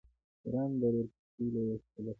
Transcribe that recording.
ایران د ریل پټلۍ لویه شبکه لري.